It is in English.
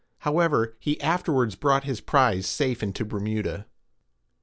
However, he afterwards brought his prize safe into Bermuda.